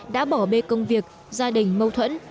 đã bỏ bê công việc gia đình mâu thuẫn